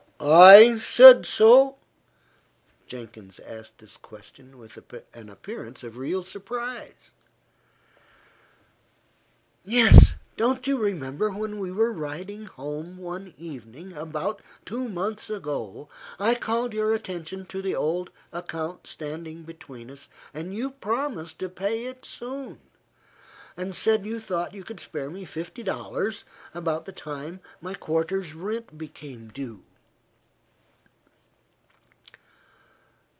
"I said so?" Jenkins asked this question with an appearance of real surprise. "Yes. Don't you remember that we were riding home one evening, about two months ago, and I called your attention to the old account standing between us, and you promised to pay it soon, and said you thought you could spare me fifty dollars about the time my quarter's rent became due?"